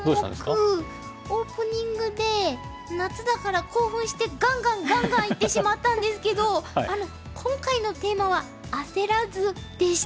コモクオープニングで夏だから興奮してガンガンガンガンいってしまったんですけど今回のテーマは「あせらず」でした。